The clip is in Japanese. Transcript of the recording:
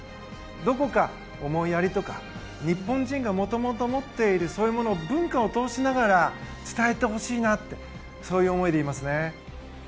どこかおもいやりとか日本人がもともと持っているそういうものを文化を通しながら伝えてほしいなってそういう思いでいますね。